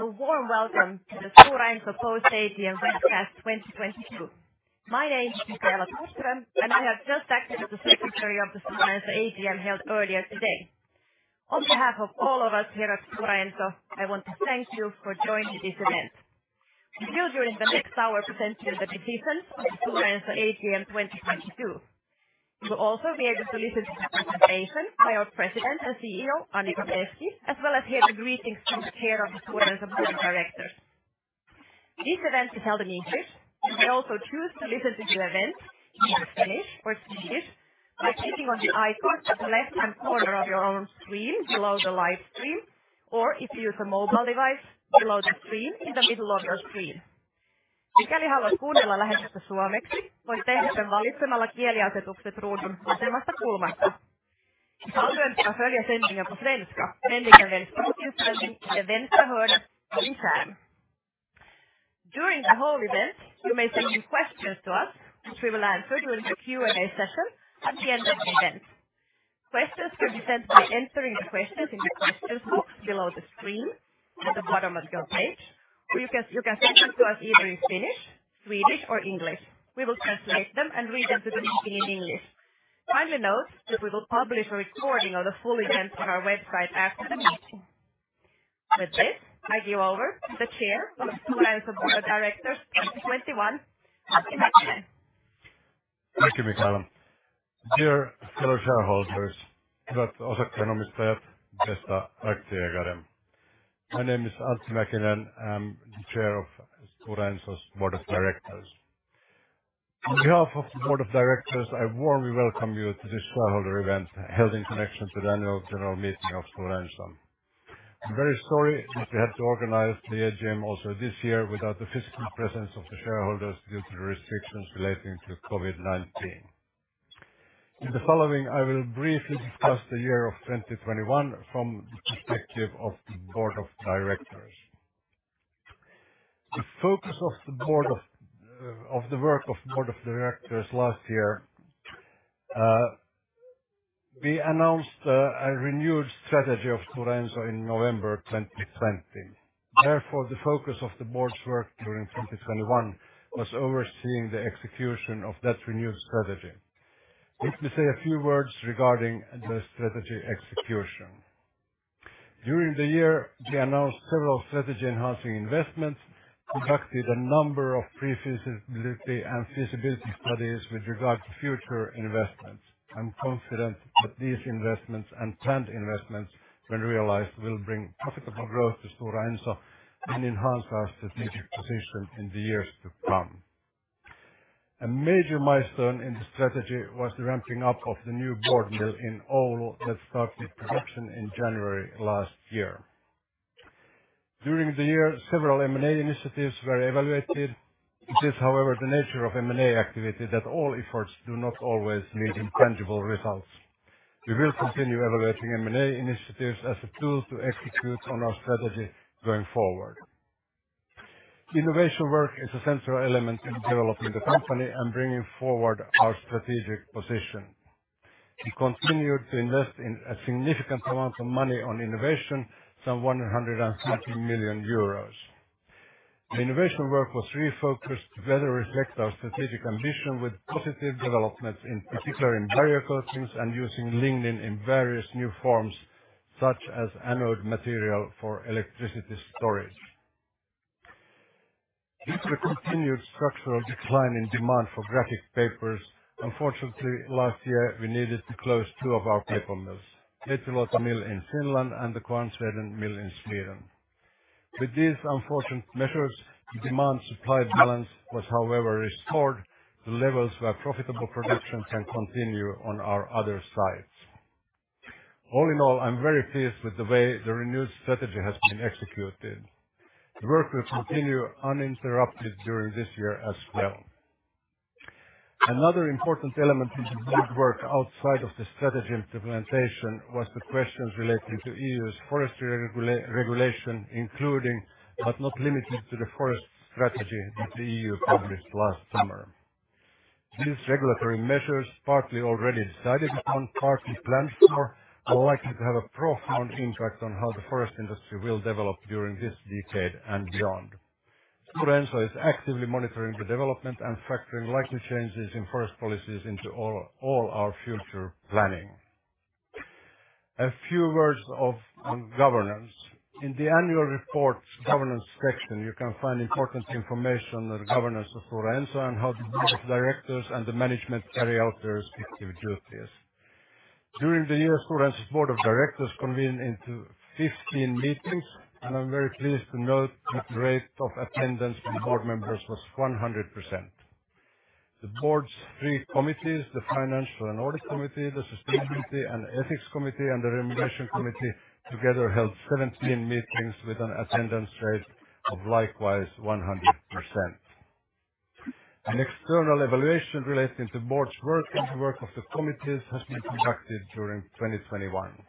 A warm welcome to the Stora Enso Post-AGM webcast 2022. My name is Micaela Thorström, and I have just acted as the Secretary of the Stora Enso Post-AGM held earlier today. On behalf of all of us here at Stora Enso, I want to thank you for joining this event. We'll, during the next hour, present to you the decisions of the Stora Enso Post-AGM 2022. You'll also be able to listen to the presentation by our President and CEO, Annica Bresky, as well as hear the greetings from the Chair of the Stora Enso Board of Directors. This event is held in English. You can also choose to listen to the event in Finnish or Swedish by clicking on the icon at the left-hand corner of your own screen below the live stream, or if you use a mobile device, below the screen in the middle of your screen. If you want to listen to the broadcast in Finnish, you can do so by selecting the language settings icon in the lower left corner. If you want to follow the broadcast in Swedish, you can do so by selecting the language settings icon in the lower left corner of your screen. During the whole event, you may send in questions to us, which we will answer during the Q&A session at the end of the event. Questions can be sent by entering the questions in the questions box below the screen at the bottom of your page, or you can send them to us either in Finnish, Swedish, or English. We will translate them and read them to the meeting in English. Finally, note that we will publish a recording of the full event on our website after the meeting. With this, I give over to the Chair of Stora Enso Board of Directors 2021, Antti Mäkinen. Thank you, Micaela. Dear fellow shareholders. My name is Antti Mäkinen. I'm the Chair of Stora Enso's Board of Directors. On behalf of the board of directors, I warmly welcome you to this shareholder event held in connection to the annual general meeting of Stora Enso. I'm very sorry that we have to organize the AGM also this year without the physical presence of the shareholders due to the restrictions relating to COVID-19. In the following, I will briefly discuss the year of 2021 from the perspective of the board of directors. The focus of the work of the board of directors last year--we announced a renewed strategy of Stora Enso in November 2020--therefore, the focus of the board's work during 2021 was overseeing the execution of that renewed strategy. Let me say a few words regarding the strategy execution. During the year, we announced several strategy-enhancing investments, conducted a number of pre-feasibility and feasibility studies with regard to future investments. I'm confident that these investments and planned investments, when realized, will bring profitable growth to Stora Enso and enhance our strategic position in the years to come. A major milestone in the strategy was the ramping up of the new board mill in Oulu that started production in January last year. During the year, several M&A initiatives were evaluated. It is, however, the nature of M&A activity that all efforts do not always lead to tangible results. We will continue evaluating M&A initiatives as a tool to execute on our strategy going forward. Innovation work is a central element in developing the company and bringing forward our strategic position. We continued to invest in a significant amount of money on innovation, some 150 million euros. The innovation work was refocused to better reflect our strategic ambition with positive developments, in particular in barrier coatings and using lignin in various new forms, such as anode material for electricity storage. Due to the continued structural decline in demand for graphic papers, unfortunately, last year we needed to close two of our paper mills, Veitsiluoto mill in Finland and the Kvarnsveden mill in Sweden. With these unfortunate measures, the demand-supply balance was, however, restored to levels where profitable production can continue on our other sites. All in all, I'm very pleased with the way the renewed strategy has been executed. The work will continue uninterrupted during this year as well. Another important element in the board work outside of the strategy implementation was the questions relating to E.U.'s forestry regulation, including, but not limited to the forest strategy that the E.U. published last summer. These regulatory measures, partly already decided upon, partly planned for, are likely to have a profound impact on how the forest industry will develop during this decade and beyond. Stora Enso is actively monitoring the development and factoring likely changes in forest policies into all our future planning. A few words on governance. In the annual report's governance section, you can find important information on the governance of Stora Enso and how the board of directors and the management carry out their respective duties. During the year, Stora Enso's board of directors convened in 15 meetings, and I'm very pleased to note that the rate of attendance by board members was 100%. The board's three committees, the Financial and Audit Committee, the Sustainability and Ethics Committee, and the Remuneration Committee, together held 17 meetings with an attendance rate of likewise 100%. An external evaluation relating to board's work and the work of the committees has been conducted during 2021.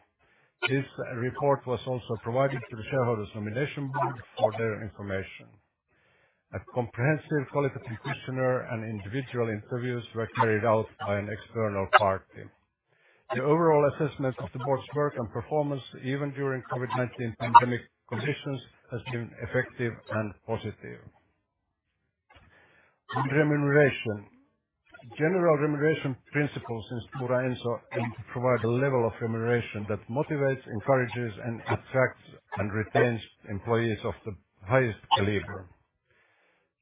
This report was also provided to the Shareholders' Nomination Board for their information. A comprehensive qualitative questionnaire and individual interviews were carried out by an external party. The overall assessment of the board's work and performance, even during COVID-19 pandemic conditions, has been effective and positive. On remuneration. General remuneration principles in Stora Enso aim to provide a level of remuneration that motivates, encourages, and attracts and retains employees of the highest caliber.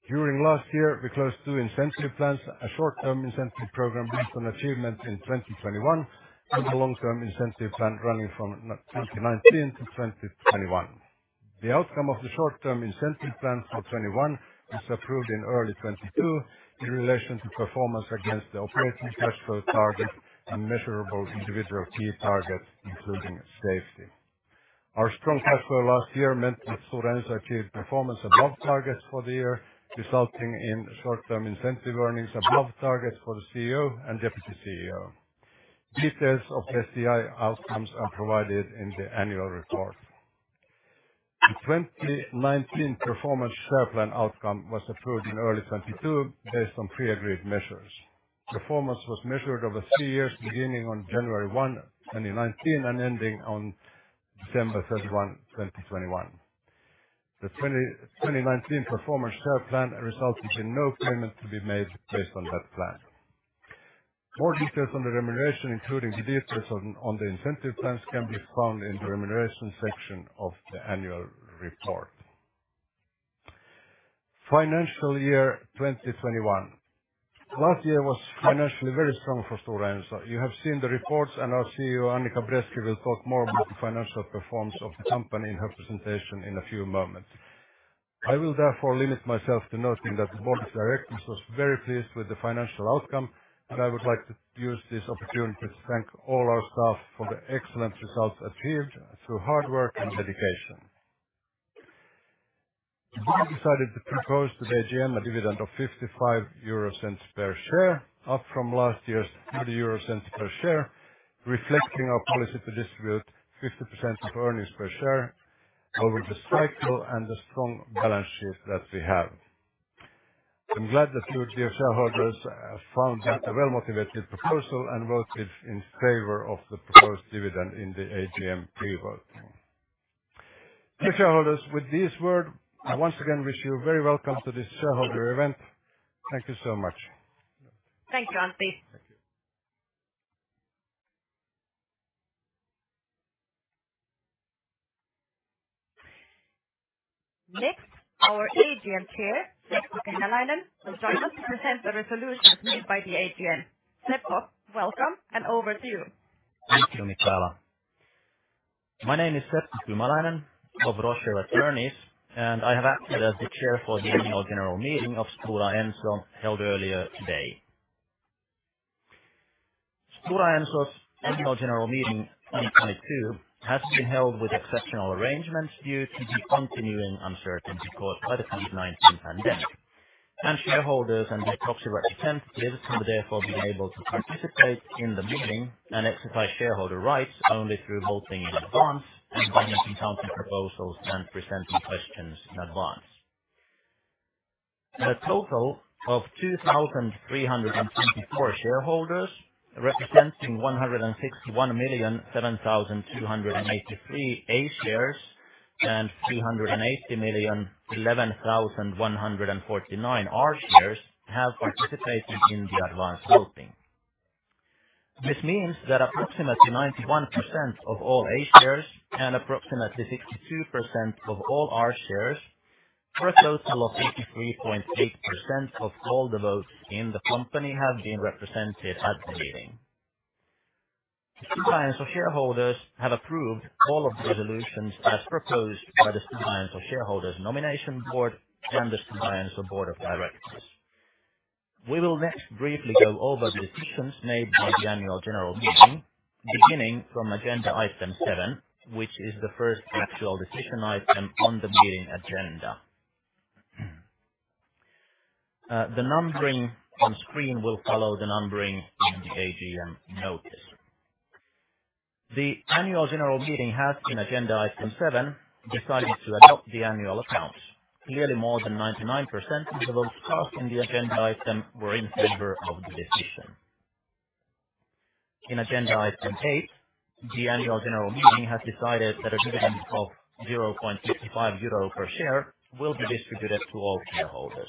During last year, we closed two incentive plans, a short-term incentive program based on achievement in 2021, and a long-term incentive plan running from 2019 to 2021. The outcome of the short-term incentive plan for 2021 was approved in early 2022 in relation to performance against the operating cash flow target and measurable individual key targets, including safety. Our strong cash flow last year meant that Stora Enso achieved performance above targets for the year, resulting in short-term incentive earnings above targets for the CEO and deputy CEO. Details of the STI outcomes are provided in the annual report. The 2019 performance share plan outcome was approved in early 2022 based on pre-agreed measures. Performance was measured over three years beginning on January 1, 2019 and ending on December 31, 2021. The 2019 performance share plan resulted in no payment to be made based on that plan. More details on the remuneration, including the details on the incentive plans, can be found in the remuneration section of the annual report. Financial year 2021. Last year was financially very strong for Stora Enso. You have seen the reports, and our CEO, Annica Bresky, will talk more about the financial performance of the company in her presentation in a few moments. I will therefore limit myself to noting that the board of directors was very pleased with the financial outcome, and I would like to use this opportunity to thank all our staff for the excellent results achieved through hard work and dedication. The board decided to propose to the AGM a dividend of 0.55 per share, up from last year's 0.30 per share, reflecting our policy to distribute 50% of earnings per share over the cycle and the strong balance sheet that we have. I'm glad that you, dear shareholders, found that a well-motivated proposal and voted in favor of the proposed dividend in the AGM pre-vote. Dear shareholders, with these words, I once again wish you very welcome to this shareholder event. Thank you so much. Thank you, Antti. Thank you. Next, our AGM chair, Seppo Kymäläinen, will join us to present the resolutions made by the AGM. Seppo, welcome and over to you. Thank you, Micaela. My name is Seppo Kymäläinen of Roschier Attorneys, and I have acted as the Chair of the Annual General Meeting of Stora Enso held earlier today. Stora Enso's Annual General Meeting 2022 has been held with exceptional arrangements due to the continuing uncertainty caused by the COVID-19 pandemic. Shareholders and their proxy representatives will therefore be able to participate in the meeting and exercise shareholder rights only through voting in advance and binding consulting proposals and presenting questions in advance. A total of 2,324 shareholders, representing 161,007,283 A shares and 380,011,149 R shares have participated in the advanced voting. This means that approximately 91% of all A shares and approximately 62% of all R shares, for a total of 83.8% of all the votes in the company, have been represented at the meeting. Stora Enso shareholders have approved all of the resolutions as proposed by the Stora Enso Shareholders' Nomination Board and the Stora Enso Board of Directors. We will next briefly go over decisions made by the Annual General Meeting, beginning from agenda item 7, which is the first actual decision item on the meeting agenda. The numbering on screen will follow the numbering in the AGM notice. The Annual General Meeting has in agenda item 7, decided to adopt the annual accounts. Clearly, more than 99% of the votes cast in the agenda item were in favor of the decision. In agenda item 8, the annual general meeting has decided that a dividend of 0.55 euro per share will be distributed to all shareholders.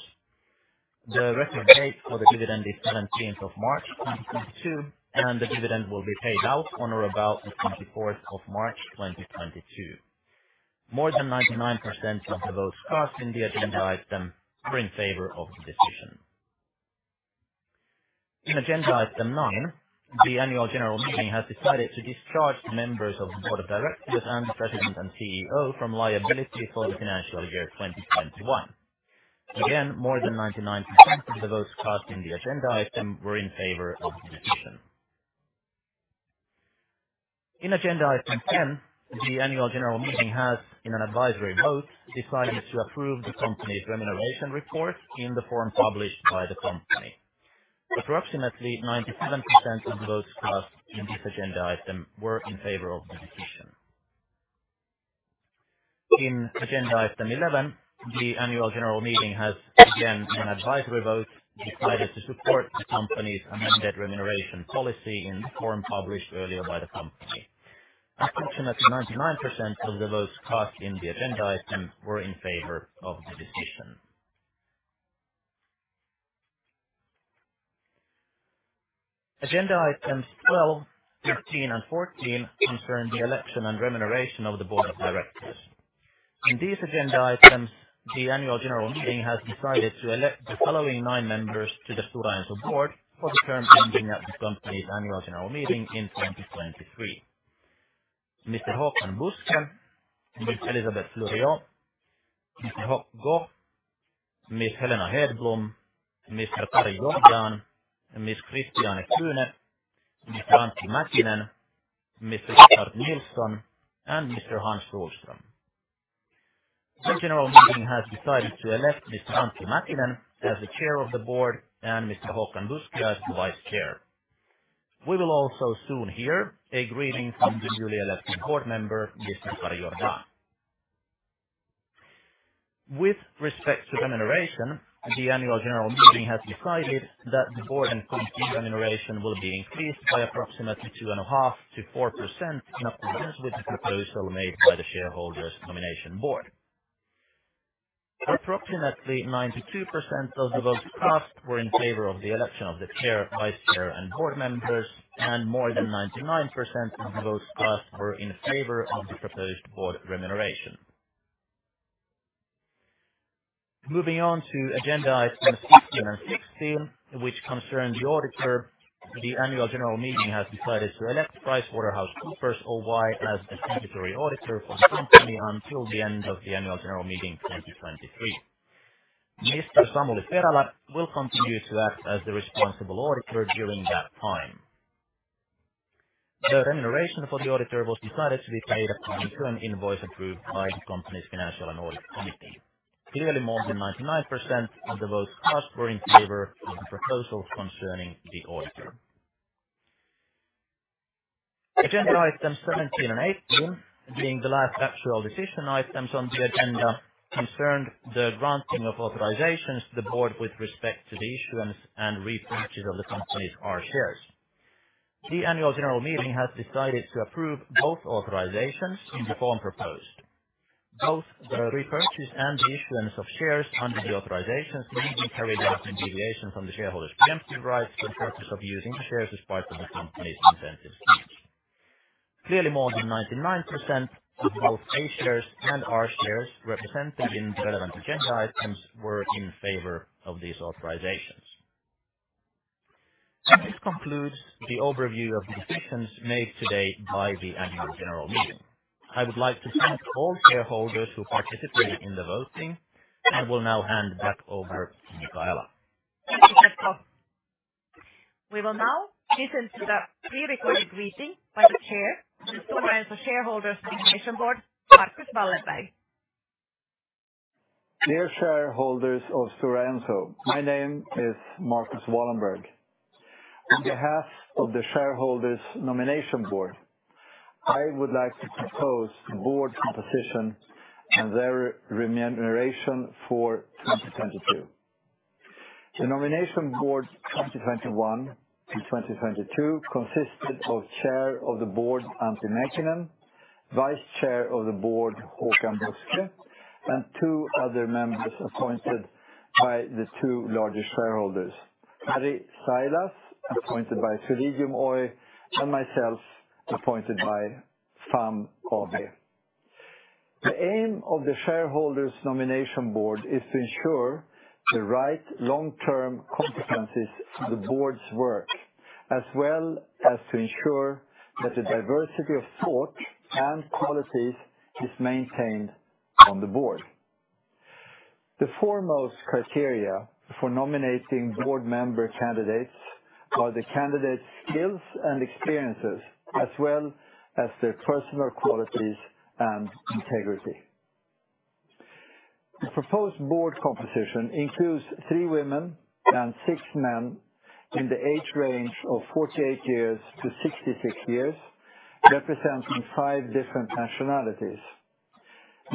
The record date for the dividend is the 17th of March 2022, and the dividend will be paid out on or about the 24th of March 2022. More than 99% of the votes cast in the agenda item were in favor of the decision. In agenda item 9, the annual general meeting has decided to discharge the members of the Board of Directors and President and CEO from liability for the financial year 2021. Again, more than 99% of the votes cast in the agenda item were in favor of the decision. In agenda item 10 the annual general meeting has, in an advisory vote, decided to approve the company's remuneration report in the form published by the company. Approximately 97% of the votes cast in this agenda item were in favor of the decision. In agenda item 11, the annual general meeting has, again, an advisory vote decided to support the company's amended remuneration policy in the form published earlier by the company. Approximately 99% of the votes cast in the agenda item were in favor of the decision. Agenda items 12, 13, and 14 concern the election and remuneration of the board of directors. In these agenda items, the annual general meeting has decided to elect the following nine members to the Stora Enso board for the term ending at the company's annual general meeting in 2023: Mr. Håkan Buskhe, Ms. Elisabeth Fleuriot, Mr. Hock Goh, Ms. Helena Hedblom, Mr. Kari Jordan, Ms. Christiane Kuehne, Mr. Antti Mäkinen, Mr. Richard Nilsson, and Mr. Hans Sohlström. The general meeting has decided to elect Mr. Antti Mäkinen as the Chair of the Board and Mr. Håkan Buskhe as the Vice Chair. We will also soon hear a greeting from the newly elected Board Member, Mr. Kari Jordan. With respect to remuneration, the Annual General Meeting has decided that the Board and committee remuneration will be increased by approximately 2.5%-4% in accordance with the proposal made by the Shareholders' Nomination Board. Approximately 92% of the votes cast were in favor of the election of the Chair, Vice Chair, and Board Members, and more than 99% of the votes cast were in favor of the proposed Board remuneration. Moving on to agenda items 15 and 16, which concern the auditor, the Annual General Meeting has decided to elect PricewaterhouseCoopers Oy as the statutory auditor for the company until the end of the Annual General Meeting 2023. Mr. Samuli Perälä will continue to act as the responsible auditor during that time. The remuneration for the auditor was decided to be paid upon the current invoice approved by the company's Financial and Audit Committee. Clearly, more than 99% of the votes cast were in favor of the proposals concerning the auditor. Agenda items 17 and 18, being the last actual decision items on the agenda, concerned the granting of authorizations to the board with respect to the issuance and repurchase of the company's R shares. The annual general meeting has decided to approve both authorizations in the form proposed. Both the repurchase and the issuance of shares under the authorizations will be carried out in deviations from the shareholders' preemptive rights for purpose of using the shares as part of the company's incentive scheme. Clearly, more than 99% of both A shares and R shares represented in relevant agenda items were in favor of these authorizations. This concludes the overview of the decisions made today by the Annual General Meeting. I would like to thank all shareholders who participated in the voting, and will now hand back over to Micaela. Thank you, Seppo. We will now listen to the pre-recorded greeting by the Chair of the Stora Enso Shareholders' Nomination Board, Marcus Wallenberg. Dear shareholders of Stora Enso, my name is Marcus Wallenberg. On behalf of the Shareholders' Nomination Board, I would like to propose the board composition and their remuneration for 2022. The nomination board 2021 to 2022 consisted of Chair of the Board, Antti Mäkinen, Vice Chair of the Board, Håkan Buskhe, and two other members appointed by the two largest shareholders: Harri Sailas, appointed by Solidium Oy, and myself, appointed by FAM AB. The aim of the Shareholders' Nomination Board is to ensure the right long-term competencies for the board's work, as well as to ensure that the diversity of thought and qualities is maintained on the board. The foremost criteria for nominating board member candidates are the candidates' skills and experiences, as well as their personal qualities and integrity. The proposed board composition includes three women and six men in the age range of 48 years to 66 years, representing five different nationalities.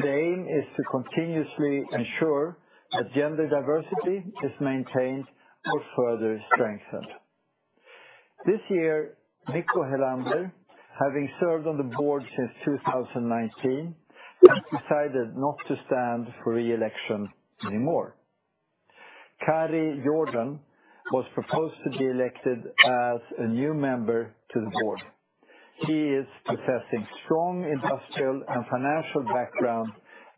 The aim is to continuously ensure that gender diversity is maintained or further strengthened. This year, Mikko Helander, having served on the Board since 2019, has decided not to stand for re-election anymore. Kari Jordan was proposed to be elected as a new member to the board. He is possessing strong industrial and financial background,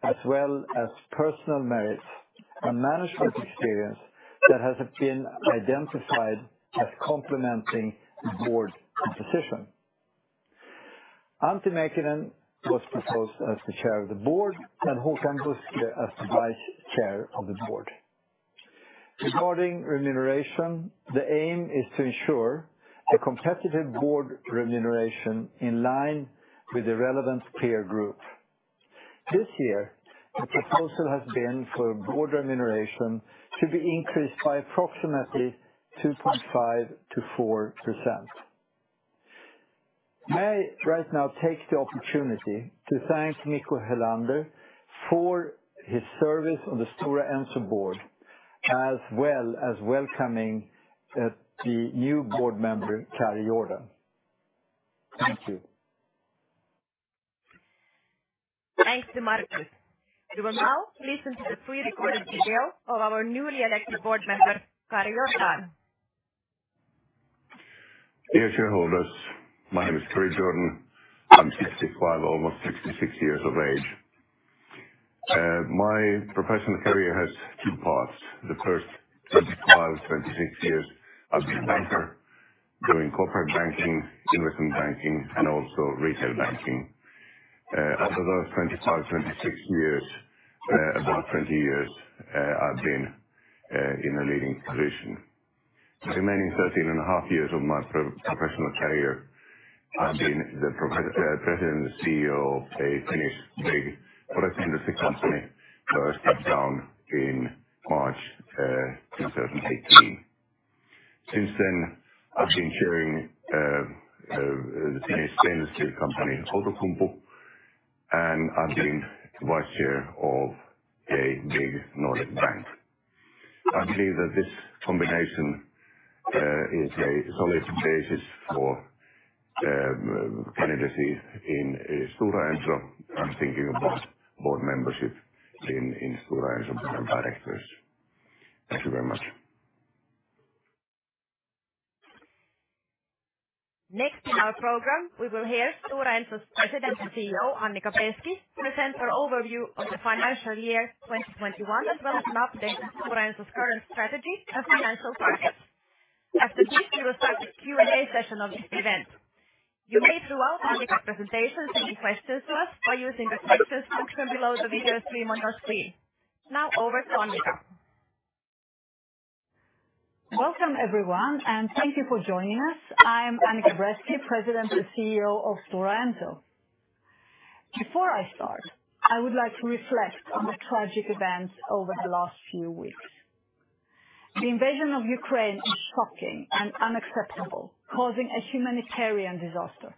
as well as personal merits and management experience that has been identified as complementing the board composition. Antti Mäkinen was proposed as the Chair of the Board and Håkan Buskhe as the Vice Chair of the Board. Regarding remuneration, the aim is to ensure a competitive board remuneration in line with the relevant peer group. This year, the proposal has been for board remuneration to be increased by approximately 2.5%-4%. May I right now take the opportunity to thank Mikko Helander for his service on the Stora Enso board, as well as welcoming, the new board member, Kari Jordan. Thank you. Thanks, Marcus. You will now listen to the pre-recorded video of our newly elected board member, Kari Jordan. Dear shareholders. My name is Kari Jordan. I'm 65, almost 66 years of age. My professional career has two parts. The first 25, 26 years, I've been a banker doing corporate banking, investment banking, and also retail banking. After those 25, 26 years, about 20 years, I've been in a leading position. The remaining 13.5 years of my professional career, I've been the president and CEO of a Finnish big forest industry company, where I stepped down in March 2018. Since then, I've been chairing the Finnish stainless steel company Outokumpu, and I've been vice chair of a big Nordic bank. I believe that this combination is a solid basis for candidacy in Stora Enso. I'm thinking about board membership in the Stora Enso board of directors. Thank you very much. Next in our program, we will hear Stora Enso's President and CEO, Annica Bresky, present her overview of the financial year 2021, as well as an update on Stora Enso's current strategy and financial targets. After this, we will start the Q&A session of this event. You may, throughout Annica's presentation, send in questions to us by using the questions function below the video stream on your screen. Now, over to Annica. Welcome, everyone, and thank you for joining us. I'm Annica Bresky, President and CEO of Stora Enso. Before I start, I would like to reflect on the tragic events over the last few weeks. The invasion of Ukraine is shocking and unacceptable, causing a humanitarian disaster.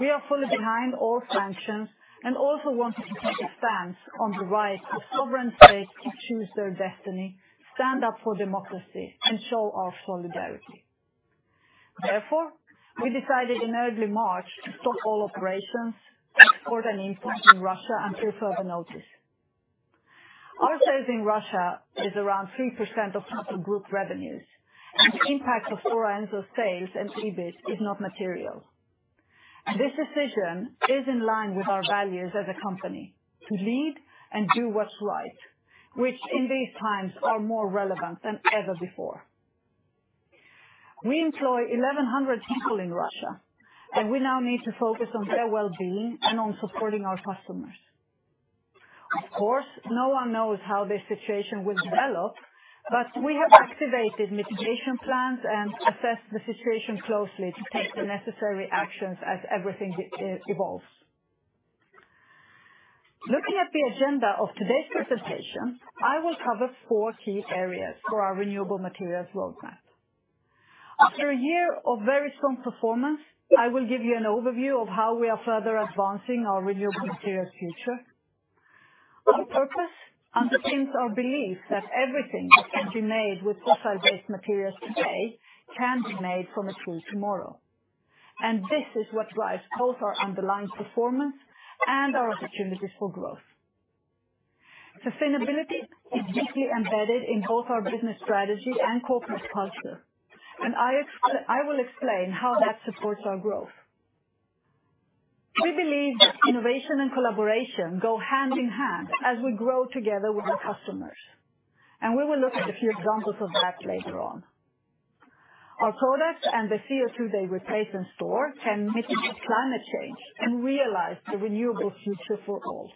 We are fully behind all sanctions and also want to take a stance on the right of sovereign states to choose their destiny, stand up for democracy, and show our solidarity. Therefore, we decided in early March to stop all operations, export, and import in Russia until further notice. Our sales in Russia is around 3% of total group revenues, and the impact of Stora Enso's sales and EBIT is not material. This decision is in line with our values as a company: to lead and do what's right, which in these times are more relevant than ever before. We employ 1,100 people in Russia, and we now need to focus on their wellbeing and on supporting our customers. Of course, no one knows how this situation will develop, but we have activated mitigation plans and assess the situation closely to take the necessary actions as everything evolves. Looking at the agenda of today's presentation, I will cover four key areas for our renewable materials roadmap. After a year of very strong performance, I will give you an overview of how we are further advancing our renewable materials future. Our purpose underpins our belief that everything that can be made with fossil-based materials today can be made from a tree tomorrow. This is what drives both our underlying performance and our opportunities for growth. Sustainability is deeply embedded in both our business strategy and corporate culture. I will explain how that supports our growth. We believe innovation and collaboration go hand in hand as we grow together with our customers, and we will look at a few examples of that later on. Our products and the CO2 they replace, in short, can mitigate climate change and realize the renewable future for all.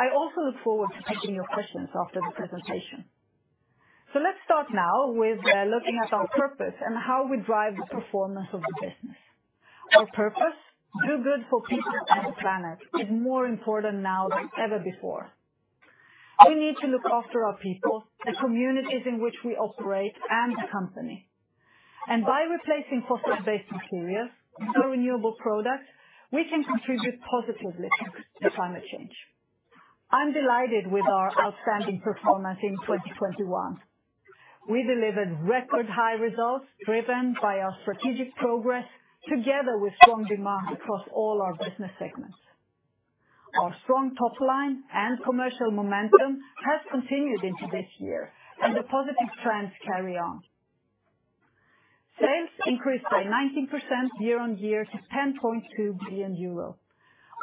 I also look forward to taking your questions after the presentation. Let's start now with looking at our purpose and how we drive the performance of the business. Our purpose, do good for people and the planet, is more important now than ever before. We need to look after our people, the communities in which we operate, and the company. By replacing fossil-based materials with our renewable products, we can contribute positively to climate change. I'm delighted with our outstanding performance in 2021. We delivered record high results driven by our strategic progress together with strong demand across all our business segments. Our strong top line and commercial momentum has continued into this year, and the positive trends carry on. Sales increased by 19% year-over-year to 10.2 billion euros.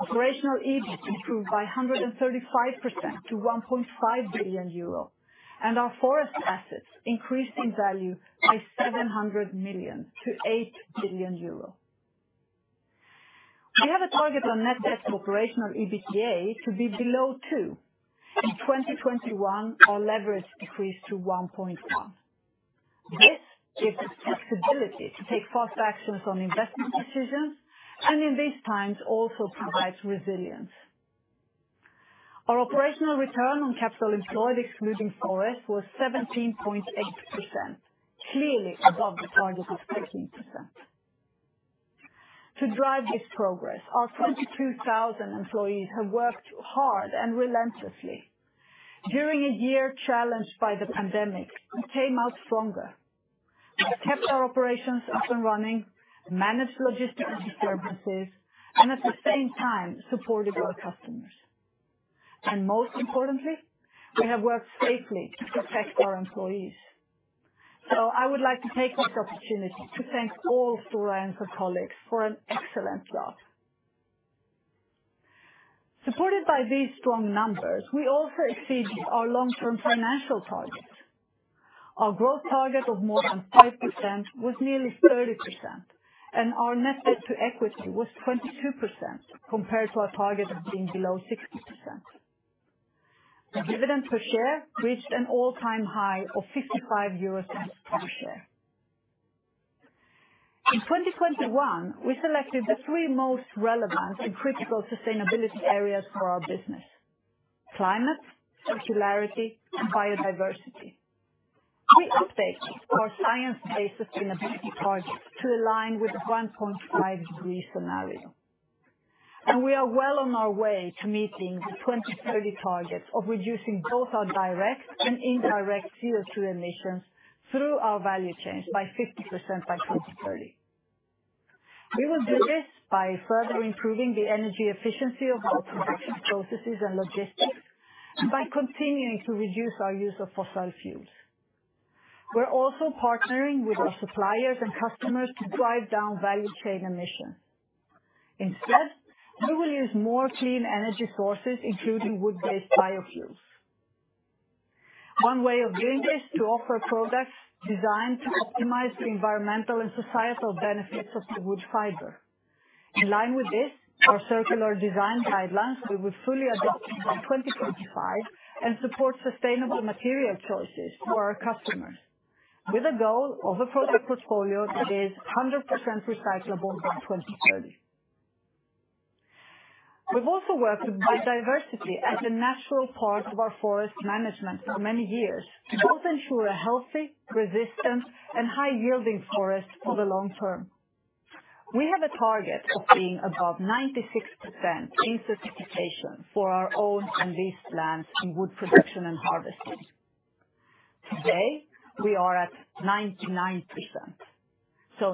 Operational EBIT improved by 135% to 1.5 billion euros, and our forest assets increased in value by 700 million to 8 billion euros. We have a target on net debt to operational EBITDA to be below 2. In 2021, our leverage decreased to 1.1. This gives us flexibility to take fast actions on investment decisions, and, in these times, also provides resilience. Our operational return on capital employed excluding forest was 17.8%, clearly above the target of 16%. To drive this progress, our 22,000 employees have worked hard and relentlessly. During a year challenged by the pandemic, we came out stronger. We have kept our operations up and running, managed logistical disturbances, and at the same time, supported our customers. Most importantly, we have worked safely to protect our employees. I would like to take this opportunity to thank all Stora Enso colleagues for an excellent job. Supported by these strong numbers, we also exceeded our long-term financial targets. Our growth target of more than 5% was nearly 30%, and our net debt-to-equity was 22% compared to our target of being below 60%. The dividend per share reached an all-time high of 0.55 euros per share. In 2021, we selected the three most relevant and critical sustainability areas for our business, climate, circularity, and biodiversity. We updated our Science Based Sustainability Targets to align with the 1.5 degree scenario. We are well on our way to meeting the 2030 target of reducing both our direct and indirect CO₂ emissions through our value chains by 50% by 2030. We will do this by further improving the energy efficiency of our production processes and logistics, by continuing to reduce our use of fossil fuels. We're also partnering with our suppliers and customers to drive down value chain emissions. Instead, we will use more clean energy sources, including wood-based biofuels. One way of doing this is to offer products designed to optimize the environmental and societal benefits of the wood fiber. In line with this, our circular design guidelines we will fully adopt by 2025 and support sustainable material choices for our customers with a goal of a product portfolio that is 100% recyclable by 2030. We've also worked with biodiversity as a natural part of our forest management for many years to both ensure a healthy, resistant, and high-yielding forest for the long term. We have a target of being above 96% in certification for our own and leased lands in wood production and harvesting. Today, we are at 99%.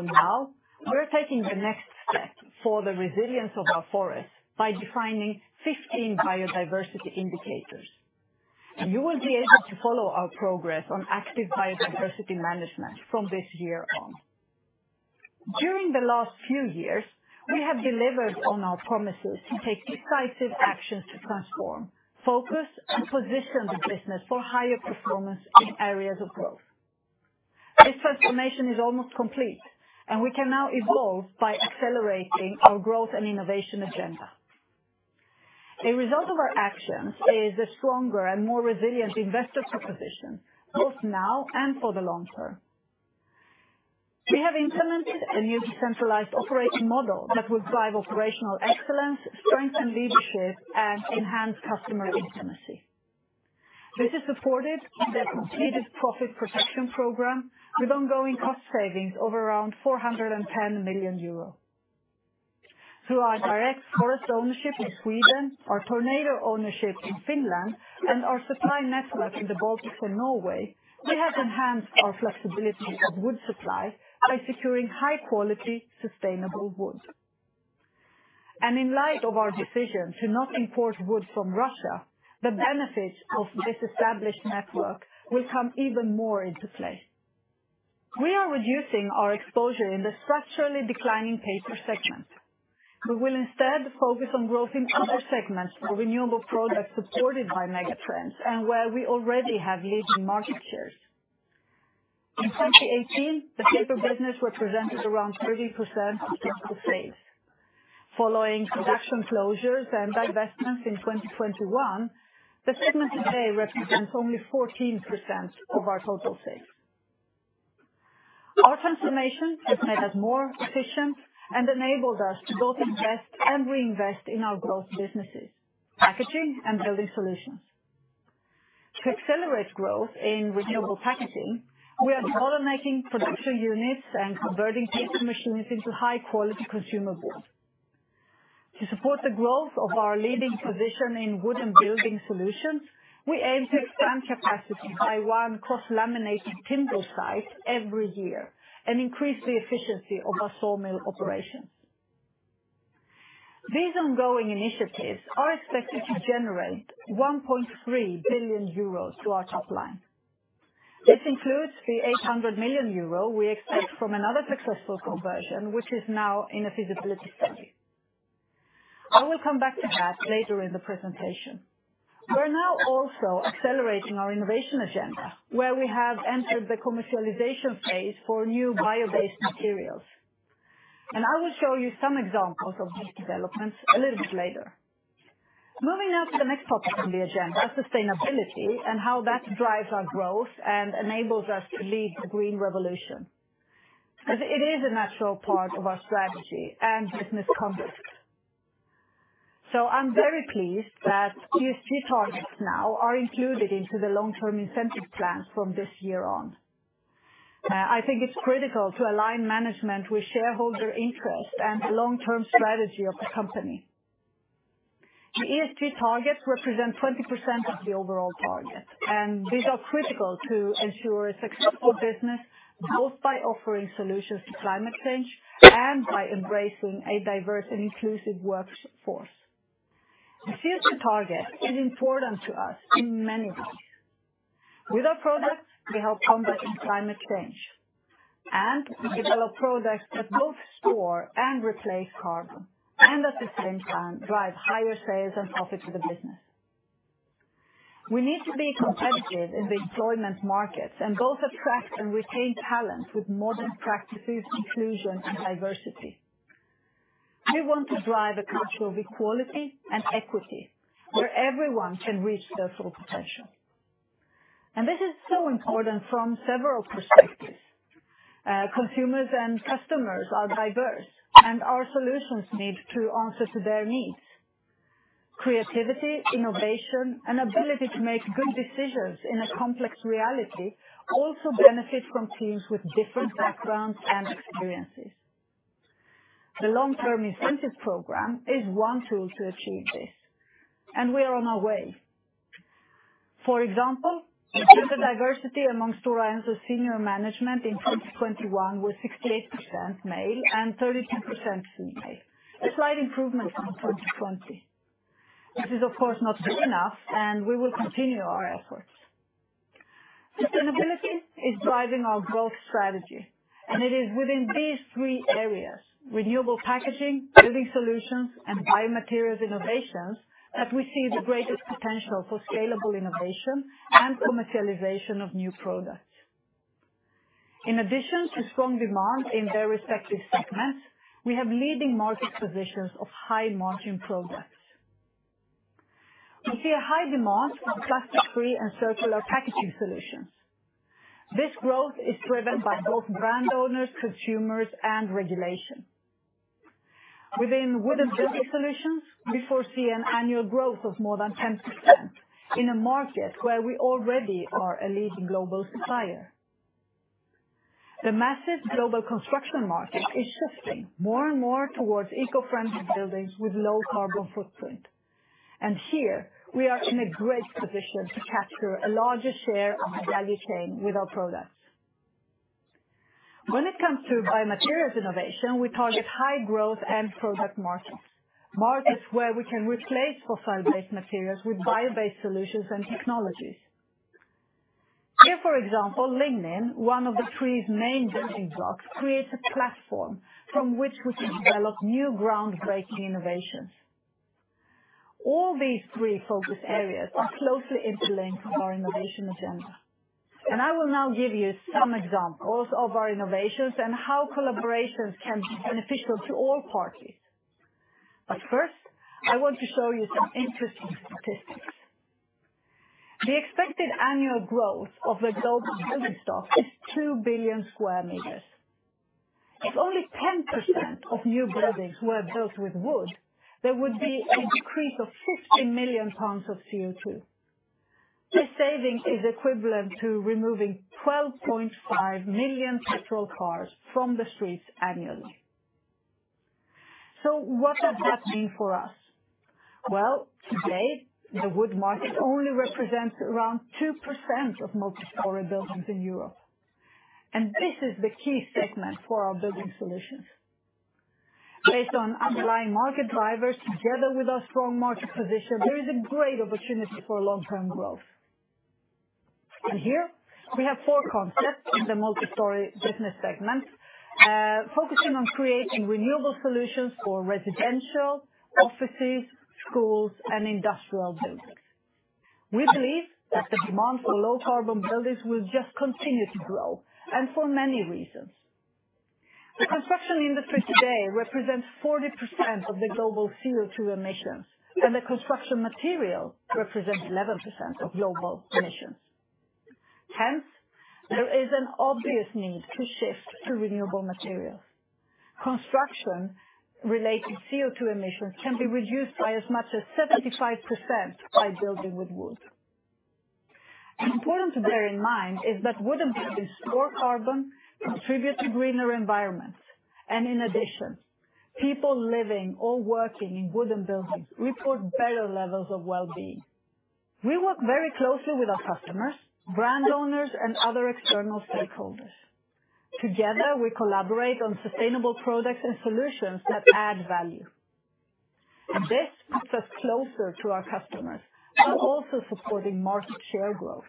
Now, we're taking the next step for the resilience of our forest by defining 15 biodiversity indicators. You will be able to follow our progress on active biodiversity management from this year on. During the last few years, we have delivered on our promises to take decisive actions to transform, focus, and position the business for higher performance in areas of growth. This transformation is almost complete, and we can now evolve by accelerating our growth and innovation agenda. A result of our actions is a stronger and more resilient investor proposition, both now and for the long term. We have implemented a new decentralized operating model that will drive operational excellence, strengthen leadership, and enhance customer intimacy. This is supported by a completed profit protection program with ongoing cost savings of around 410 million euros. Through our direct forest ownership in Sweden, our Tornator ownership in Finland, and our supply network in the Baltic and Norway, we have enhanced our flexibility of wood supply by securing high-quality, sustainable wood. In light of our decision to not import wood from Russia, the benefit of this established network will come even more into play. We are reducing our exposure in the structurally declining paper segment. We will instead focus on growth in other segments for renewable products supported by megatrends and where we already have leading market shares. In 2018, the paper business represented around 30% of total sales. Following production closures and divestments in 2021, the segment today represents only 14% of our total sales. Our transformation has made us more efficient and enabled us to both invest and reinvest in our growth businesses, packaging and building solutions. To accelerate growth in renewable packaging, we are modernizing production units and converting paper machines into high-quality consumer boards. To support the growth of our leading position in wood and building solutions, we aim to expand capacity by one cross-laminated timber site every year and increase the efficiency of our sawmill operations. These ongoing initiatives are expected to generate 1.3 billion euros to our top line. This includes the 800 million euro we expect from another successful conversion, which is now in a feasibility study. I will come back to that later in the presentation. We're now also accelerating our innovation agenda, where we have entered the commercialization phase for new bio-based materials. I will show you some examples of these developments a little bit later. Moving on to the next topic on the agenda, sustainability and how that drives our growth and enables us to lead the green revolution. It is a natural part of our strategy and business compass. I'm very pleased that ESG targets now are included into the long-term incentive plan from this year on. I think it's critical to align management with shareholder interest and long-term strategy of the company. The ESG targets represent 20% of the overall target, and these are critical to ensure a successful business, both by offering solutions to climate change and by embracing a diverse and inclusive workforce. The ESG target is important to us in many ways. With our products, we help combat climate change, and we develop products that both store and replace carbon and at the same time drive higher sales and profit to the business. We need to be competitive in the employment markets, and both attract and retain talent with modern practices, inclusion and diversity. We want to drive a culture of equality and equity where everyone can reach their full potential. This is so important from several perspectives. Consumers and customers are diverse, and our solutions need to answer to their needs. Creativity, innovation, and ability to make good decisions in a complex reality also benefit from teams with different backgrounds and experiences. The long-term incentive program is one tool to achieve this, and we are on our way. For example, the gender diversity among Stora Enso's senior management in 2021 was 68% male and 32% female. A slight improvement from 2020. This is, of course, not good enough and we will continue our efforts. Sustainability is driving our growth strategy, and it is within these three areas, renewable packaging, building solutions, and biomaterials innovations, that we see the greatest potential for scalable innovation and commercialization of new products. In addition to strong demand in their respective segments, we have leading market positions of high margin products. We see a high demand for plastic-free and circular packaging solutions. This growth is driven by both brand owners, consumers and regulation. Within wood and building solutions, we foresee an annual growth of more than 10% in a market where we already are a leading global supplier. The massive global construction market is shifting more and more towards eco-friendly buildings with low carbon footprint. Here, we are in a great position to capture a larger share of the value chain with our products. When it comes to biomaterials innovation, we target high growth and product markets, markets where we can replace fossil-based materials with bio-based solutions and technologies. Here, for example, lignin, one of the tree's main building blocks, creates a platform from which we can develop new groundbreaking innovations. All these three focus areas are closely interlinked with our innovation agenda. I will now give you some examples of our innovations and how collaborations can be beneficial to all parties. First, I want to show you some interesting statistics. The expected annual growth of the global building stock is 2 billion sq m. If only 10% of new buildings were built with wood, there would be a decrease of 50 million tons of CO2. This saving is equivalent to removing 12.5 million petrol cars from the streets annually. What does that mean for us? Well, today, the wood market only represents around 2% of multi-story buildings in Europe, and this is the key segment for our building solutions. Based on underlying market drivers, together with our strong market position, there is a great opportunity for long-term growth. Here we have four concepts in the multi-story business segment, focusing on creating renewable solutions for residential, offices, schools, and industrial buildings. We believe that the demand for low carbon buildings will just continue to grow and for many reasons. The construction industry today represents 40% of the global CO2 emissions, and the construction material represents 11% of global emissions. Hence, there is an obvious need to shift to renewable materials. Construction-related CO2 emissions can be reduced by as much as 75% by building with wood. Important to bear in mind is that wooden buildings store carbon, contribute to greener environments, and in addition, people living or working in wooden buildings report better levels of well-being. We work very closely with our customers, brand owners, and other external stakeholders. Together, we collaborate on sustainable products and solutions that add value. This keeps us closer to our customers while also supporting market share growth.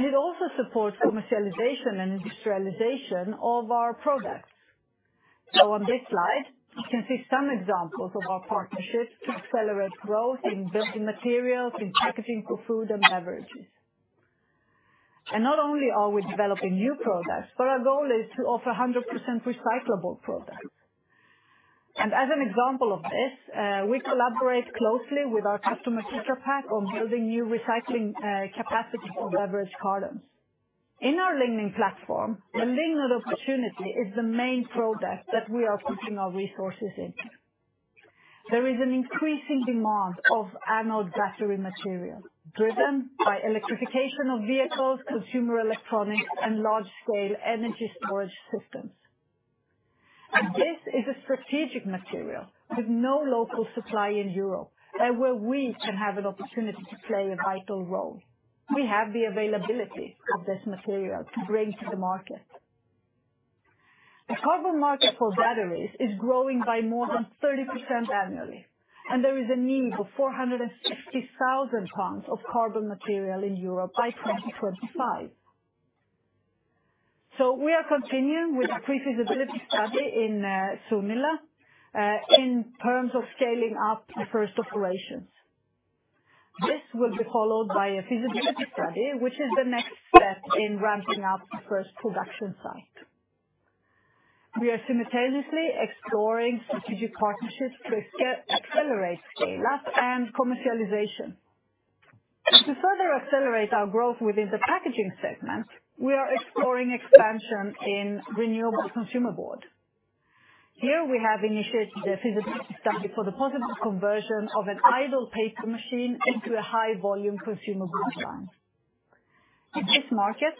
It also supports commercialization and industrialization of our products. On this slide, you can see some examples of our partnerships to accelerate growth in building materials, in packaging for food and beverages. Not only are we developing new products, but our goal is to offer 100% recyclable products. As an example of this, we collaborate closely with our customer, Tetra Pak, on building new recycling capacity for beverage cartons. In our lignin platform, the lignin opportunity is the main product that we are putting our resources in. There is an increasing demand of anode battery material driven by electrification of vehicles, consumer electronics, and large scale energy storage systems. This is a strategic material with no local supply in Europe, and where we can have an opportunity to play a vital role. We have the availability of this material to bring to the market. The carbon market for batteries is growing by more than 30% annually, and there is a need for 460,000 tons of carbon material in Europe by 2025. We are continuing with the pre-feasibility study in Sunila in terms of scaling up the first operations. This will be followed by a feasibility study, which is the next step in ramping up the first production site. We are simultaneously exploring strategic partnerships to accelerate scale-up and commercialization. To further accelerate our growth within the packaging segment, we are exploring expansion in renewable consumer board. Here, we have initiated a feasibility study for the possible conversion of an idle paper machine into a high volume consumer board line. In this market,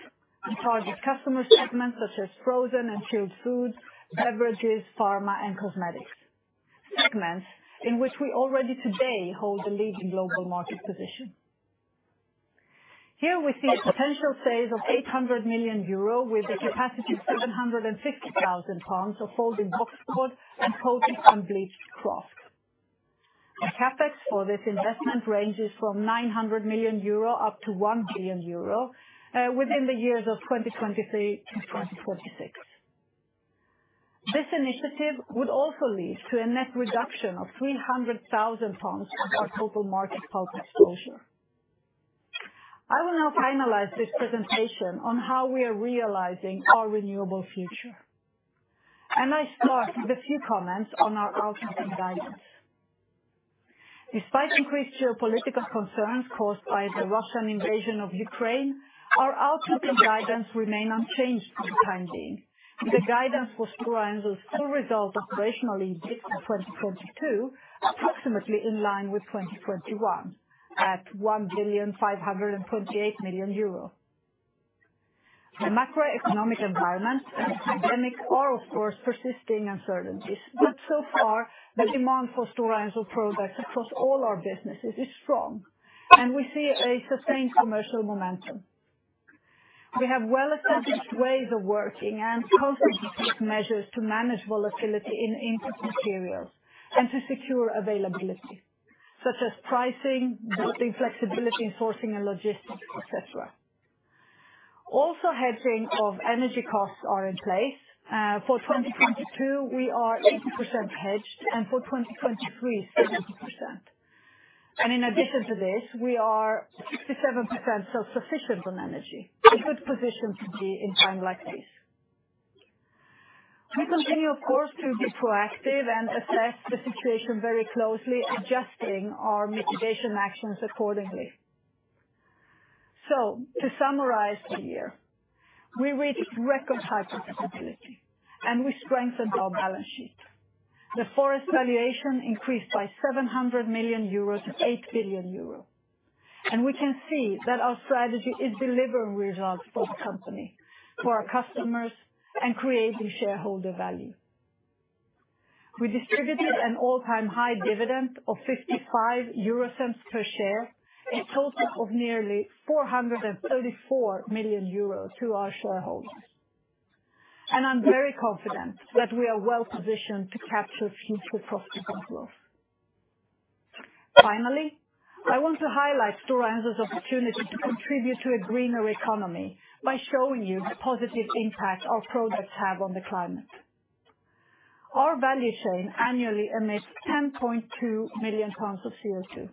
we target customer segments such as frozen and chilled foods, beverages, pharma and cosmetics - segments in which we already today hold a leading global market position. Here, we see potential sales of 800 million euro with the capacity of 760,000 tons of folding boxboard and coated unbleached kraft. The CapEx for this investment ranges from 900 million-1 billion euro within the years 2023-2026. This initiative would also lead to a net reduction of 300,000 tons of our total market pulp exposure. I will now finalize this presentation on how we are realizing our renewable future. I start with a few comments on our outlook and guidance. Despite increased geopolitical concerns caused by the Russian invasion of Ukraine, our outlook and guidance remain unchanged for the time being. The guidance for Stora Enso's full results operationally in 2022, approximately in line with 2021 at 1,528 million euros. The macroeconomic environment and the pandemic are, of course, persisting uncertainties. So far, the demand for Stora Enso products across all our businesses is strong, and we see a sustained commercial momentum. We have well-established ways of working and contingency measures to manage volatility in input materials and to secure availability, such as pricing, building flexibility in sourcing and logistics, et cetera. Also, hedging of energy costs are in place. For 2022, we are 80% hedged, and for 2023, 70%. In addition to this, we are 67% self-sufficient on energy. A good position to be in time like this. We continue, of course, to be proactive and assess the situation very closely, adjusting our mitigation actions accordingly. To summarize the year, we reached record high profitability and we strengthened our balance sheet. The forest valuation increased by 700 million euros to 8 billion euros. We can see that our strategy is delivering results for the company, for our customers, and creating shareholder value. We distributed an all-time high dividend of 0.55 per share, a total of nearly 434 million euros to our shareholders. I'm very confident that we are well positioned to capture future profitable growth. Finally, I want to highlight Stora Enso's opportunity to contribute to a greener economy by showing you the positive impact our products have on the climate. Our value chain annually emits 10.2 million tons of CO2.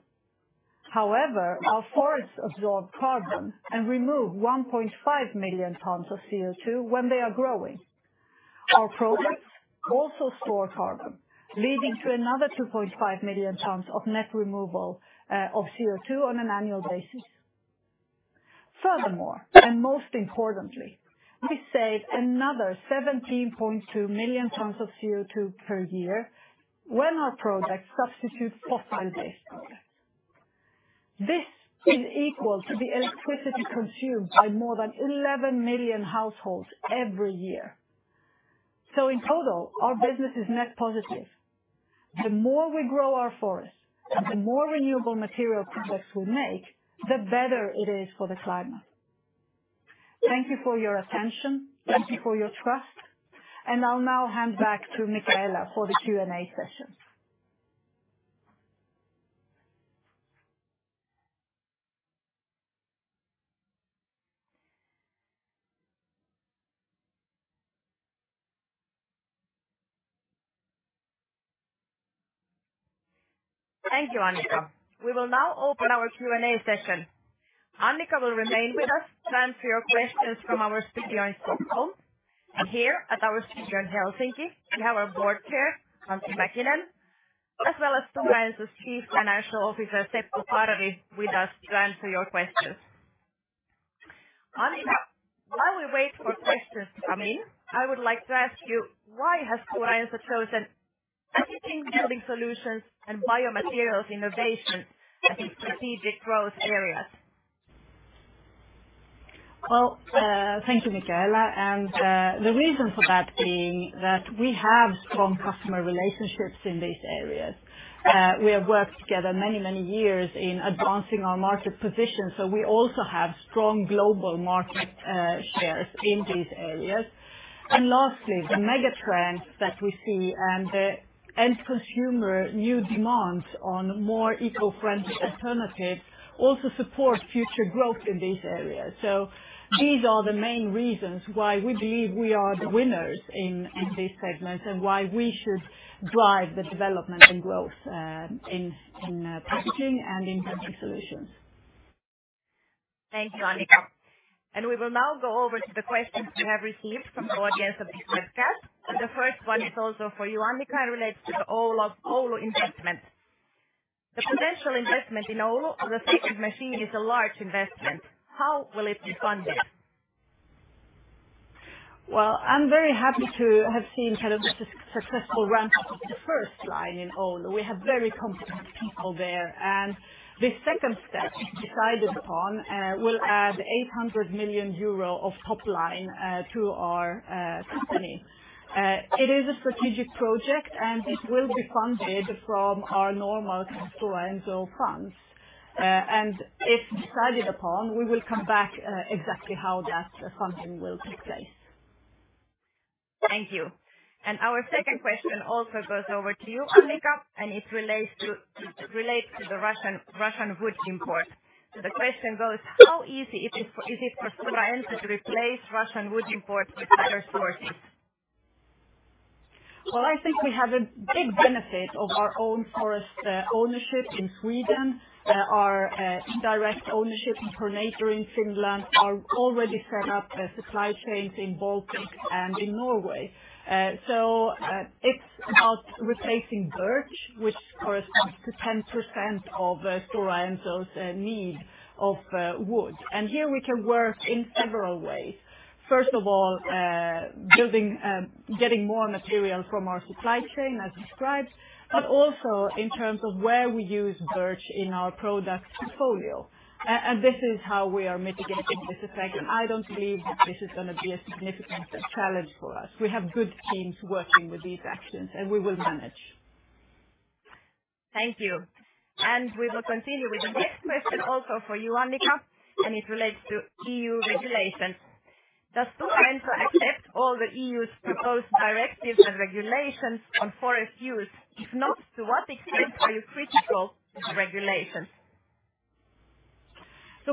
However, our forests absorb carbon and remove 1.5 million tons of CO2 when they are growing. Our products also store carbon, leading to another 2.5 million tons of net removal of CO2 on an annual basis. Furthermore, and most importantly, we save another 17.2 million tons of CO2 per year when our products substitute fossil-based products. This is equal to the electricity consumed by more than 11 million households every year. In total, our business is net positive. The more we grow our forests and the more renewable material products we make, the better it is for the climate. Thank you for your attention. Thank you for your trust, and I'll now hand back to Micaela for the Q&A session. Thank you, Annica. We will now open our Q&A session. Annica will remain with us to answer your questions from our studio in Stockholm. Here at our studio in Helsinki, we have our Board Chair, Antti Mäkinen, as well as Stora Enso's Chief Financial Officer, Seppo Parvi, with us to answer your questions. Annica, while we wait for questions to come in, I would like to ask you, why has Stora Enso chosen packaging, building solutions, and biomaterials innovation as its strategic growth areas? Well, thank you, Micaela. The reason for that being that we have strong customer relationships in these areas. We have worked together many, many years in advancing our market position, so we also have strong global market shares in these areas. Lastly, the mega trends that we see and the end consumer new demands on more eco-friendly alternatives also support future growth in these areas. These are the main reasons why we believe we are the winners in these segments and why we should drive the development and growth in packaging and in Building Solutions. Thank you, Annica. We will now go over to the questions we have received from the audience of this webcast. The first one is also for you, Annica. It relates to the Oulu investment. The potential investment in Oulu recycled machine is a large investment. How will it be funded? Well, I'm very happy to have seen kind of the successful run of the first line in Oulu. We have very competent people there. The second step decided upon will add 800 million euro of top line to our company. It is a strategic project, and it will be funded from our normal Stora Enso funds. If decided upon, we will come back exactly how that funding will take place. Thank you. Our second question also goes over to you, Annica, and it relates to the Russian wood imports. The question goes: How easy is it for Stora Enso to replace Russian wood imports with better sources? Well, I think we have a big benefit of our own forest ownership in Sweden. Our direct ownership in Tornator in Finland are already set up the supply chains in Baltic and in Norway. It's about replacing birch, which corresponds to 10% of Stora Enso's need of wood. Here we can work in several ways. First of all, getting more material from our supply chain as described, but also in terms of where we use birch in our product portfolio. This is how we are mitigating this effect. I don't believe that this is gonna be a significant challenge for us. We have good teams working with these actions, and we will manage. Thank you. We will continue with the next question also for you, Annica, and it relates to EU regulations. Does Stora Enso accept all the EU's proposed directives and regulations on forest use? If not, to what extent are you critical of the regulations?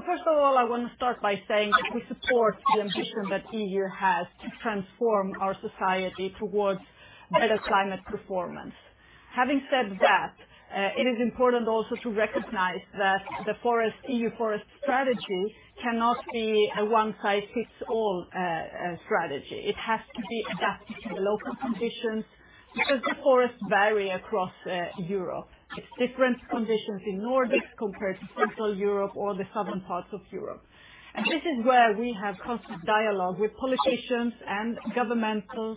First of all, I want to start by saying that we support the ambition that the EU has to transform our society towards better climate performance. Having said that, it is important also to recognize that the EU Forest Strategy cannot be a one-size-fits-all strategy. It has to be adapted to the local conditions because the forests vary across Europe. It's different conditions in Nordics compared to Central Europe or the southern parts of Europe. This is where we have constant dialogue with politicians and governmental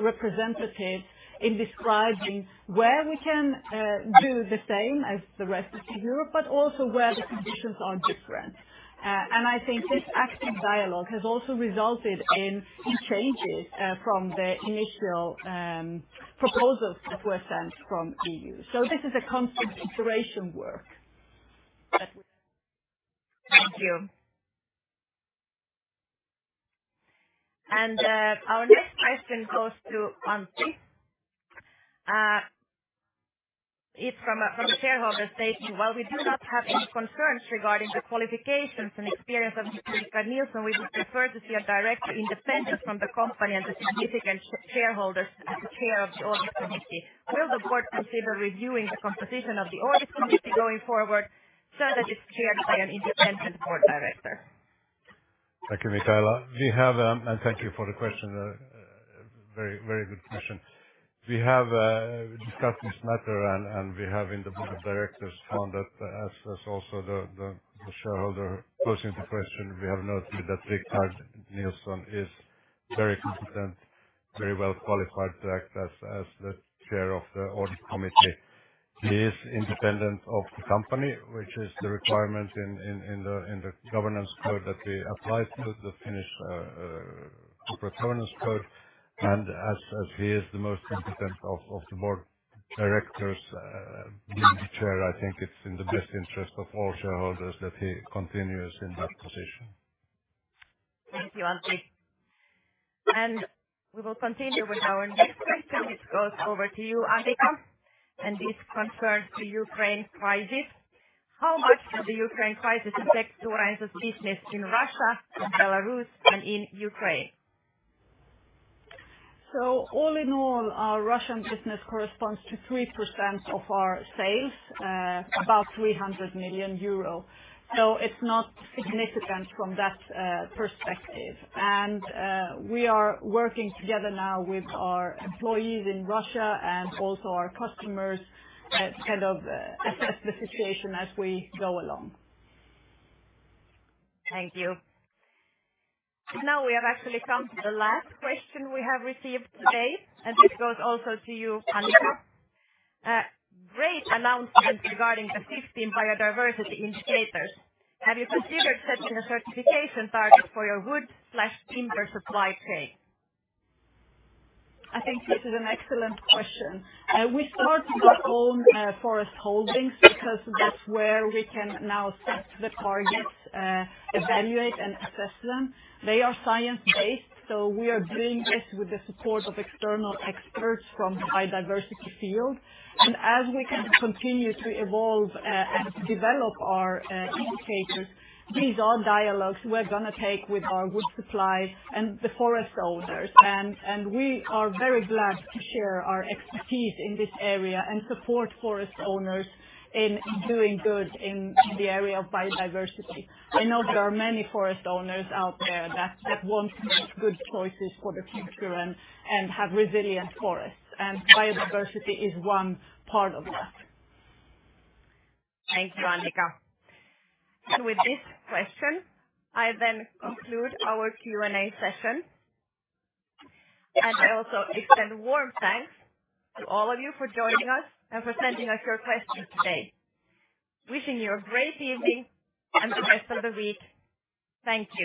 representatives in describing where we can do the same as the rest of Europe, but also where the conditions are different. I think this active dialogue has also resulted in changes from the initial proposals that were sent from the E.U.. This is a constant iteration work that we are doing. Thank you. Our next question goes to Antti. It's from a shareholder stating, while we do not have any concerns regarding the qualifications and experience of Richard Nilsson, we would prefer to see a director independent from the company and the significant shareholders as the chair of the audit committee. Will the board consider reviewing the composition of the audit committee going forward so that it's chaired by an independent board director? Thank you, Micaela. Thank you for the question. Very good question. We have discussed this matter, and we have in the Board of Directors found that, as also the shareholder posing the question, we have noted that Richard Nilsson is very competent, very well qualified to act as the chair of the audit committee. He is independent of the company, which is the requirement in the governance code that we applied to the Finnish Corporate Governance Code. As he is the most competent of the board of directors, being the chair, I think it's in the best interest of all shareholders that he continues in that position. Thank you, Antti. We will continue with our next question. It goes over to you, Annica, and this concerns the Ukraine crisis. How much will the Ukraine crisis affect Stora Enso's business in Russia, in Belarus, and in Ukraine? All in all, our Russian business corresponds to 3% of our sales, about 300 million euro. It's not significant from that perspective. We are working together now with our employees in Russia and also our customers to kind of assess the situation as we go along. Thank you. Now we have actually come to the last question we have received today, and this goes also to you, Annica. Great announcement regarding the 15 biodiversity indicators. Have you considered setting a certification target for your wood/timber supply chain? I think this is an excellent question. We start with our own forest holdings because that's where we can now set the targets, evaluate and assess them. They are science-based, so we are doing this with the support of external experts from biodiversity field. As we can continue to evolve and develop our indicators, these are dialogues we're gonna take with our wood suppliers and the forest owners. We are very glad to share our expertise in this area and support forest owners in doing good in the area of biodiversity. I know there are many forest owners out there that want to make good choices for the future and have resilient forests. Biodiversity is one part of that. Thank you, Annica. With this question, I then conclude our Q&A session. I also extend warm thanks to all of you for joining us and for sending us your questions today. Wishing you a great evening and the best of the week. Thank you.